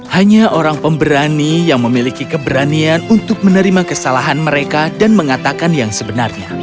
hanya orang pemberani yang memiliki keberanian untuk menerima kesalahan mereka dan mengatakan yang sebenarnya